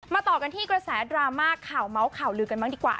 ต่อกันที่กระแสดราม่าข่าวเมาส์ข่าวลือกันบ้างดีกว่า